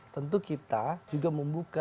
tentu kita juga membungkuk